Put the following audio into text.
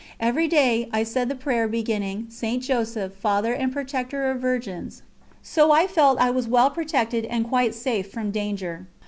Every day I said the prayer beginning: "St. Joseph, Father and Protector of Virgins" ... so I felt I was well protected and quite safe from danger.